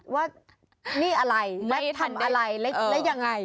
ว่านี่อะไรและทำอะไรและยังไง